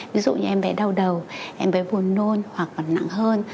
ví dụ như em bé đau đầu em bé buồn nôn hoặc nặng hơn